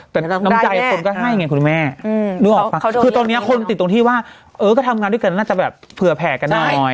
แต่น้ำใจคนก็ให้ไงคุณแม่นึกออกป่ะคือตอนนี้คนติดตรงที่ว่าเออก็ทำงานด้วยกันน่าจะแบบเผื่อแผ่กันหน่อย